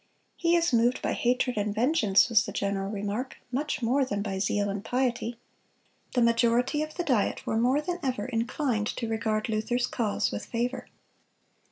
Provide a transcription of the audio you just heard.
"He is moved by hatred and vengeance," was the general remark, "much more than by zeal and piety."(200) The majority of the Diet were more than ever inclined to regard Luther's cause with favor.